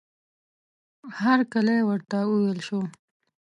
هرکلی ورته وویل شو.